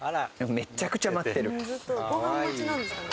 めっちゃくちゃ待ってる。